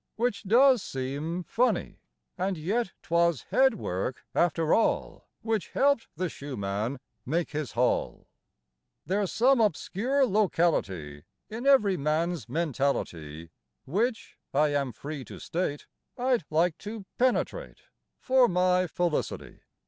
Which does seem funny; And yet 'twas head work, after all, Which helped the shoe man make his haul. There's some obscure locality In every man's mentality Which, I am free to state, I'd like to penetrate For my felicity.